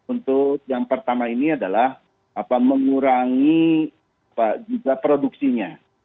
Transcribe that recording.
untuk yang pertama ini adalah mengurangi juga produksinya